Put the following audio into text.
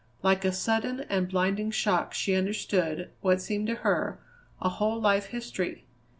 Like a sudden and blinding shock she understood, what seemed to her, a whole life history.